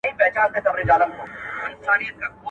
او خوشحال خټک یادېږي.